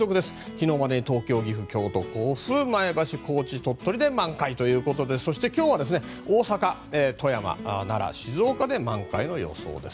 昨日までに東京、前橋甲府などで満開ということで、今日は大阪、富山、奈良、静岡で満開の予想です。